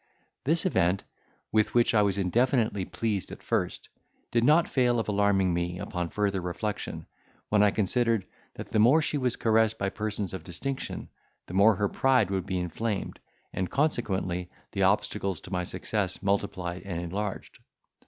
This event, with which I was indefinitely pleased at first, did not fail of alarming me, upon further reflection, when I considered, that the more she was caressed by persons of distinction, the more her pride would be inflamed, and consequently, the obstacles to my success multiplied and enlarged.